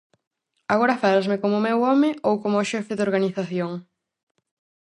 -Agora fálasme como o meu home ou como o xefe da organización?